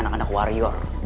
kayaknya anak anak warrior